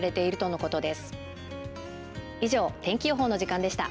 以上天気予報の時間でした。